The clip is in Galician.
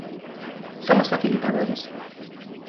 Somos facilitadores.